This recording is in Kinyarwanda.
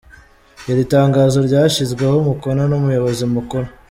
Iri tangazo ryashyizweho umukono n’Umuyobozi mukuru